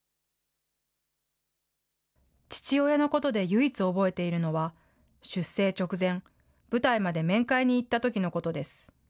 父親のことで唯一覚えているのは、出征直前、部隊まで面会に行ったときのことです。